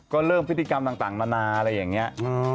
ก็เริ่มพฤติกรรมต่างนานาอะไรอย่างนี้